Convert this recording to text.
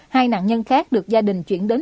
hai nạn nhân khác được gia đình chuyển đến